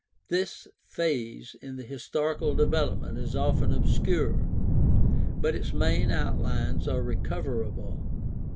This phase in the historical development is often obscure, but its main outlines are recoverable.